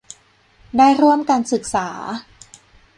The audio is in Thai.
ได้ร่วมกันศึกษา